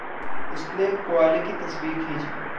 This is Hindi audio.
उसने कोआले की तस्वीर खींची।